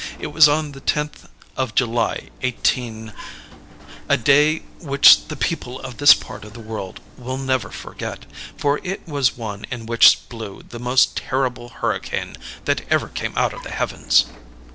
It was on the 10th of July, 18 ; a day which the people of this part of the world will never forget, for it was one in which blew the most terrible hurricane that ever came out of the heavens.